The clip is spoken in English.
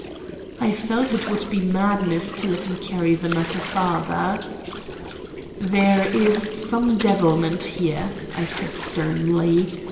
I felt it would be madness to let him carry the matter farther. "There is some devilment here," I said sternly.